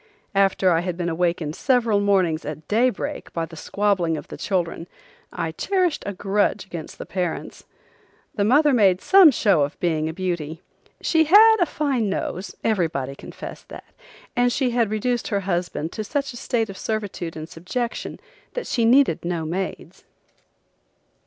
After I had been awakened several mornings at daybreak by the squabbling of the children I cherished a grudge against the parents. The mother made some show of being a beauty. She had a fine nose, everybody confessed that, and she had reduced her husband to such a state of servitude and subjection that she needed no maids.